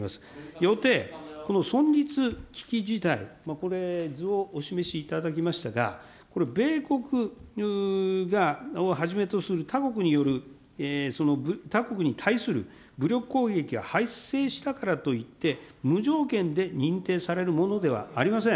よって、この存立危機事態、これ、図をお示しいただきましたが、これ、米国をはじめとする他国による、他国に対する武力攻撃が発生したからといって、無条件で認定されるものではありません。